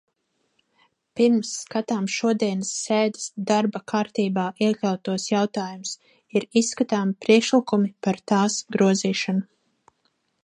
Pirms skatām šodienas sēdes darba kārtībā iekļautos jautājumus, ir izskatāmi priekšlikumi par tās grozīšanu.